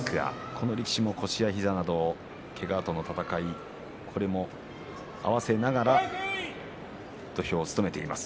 この力士もけがとの闘いこれも合わせながら土俵を務めています。